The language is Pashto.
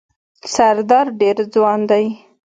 سردار ډېر ځوان دی.